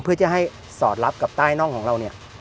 เพื่อจะให้สอดรับกับใต้น่องของเราเนี่ย